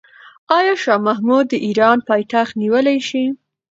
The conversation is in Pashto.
آیا شاه محمود د ایران پایتخت نیولی شي؟